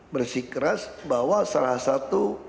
bersikeras bahwa salah satu